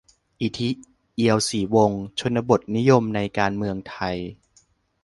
นิธิ เอียวศรีวงศ์ : ชนบทนิยมในการเมืองไทย